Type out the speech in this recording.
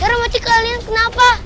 sarah mochi kalian kenapa